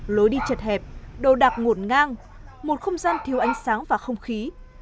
lối đi chật hẹp đồ đạc ngổn ngang một không gian thiếu ánh sáng và không khí